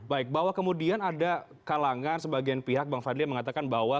baik bahwa kemudian ada kalangan sebagian pihak bang fadli yang mengatakan bahwa